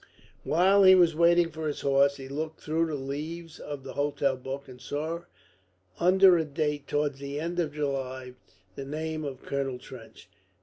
While he was waiting for his horse he looked through the leaves of the hotel book, and saw under a date towards the end of July the name of Colonel Trench.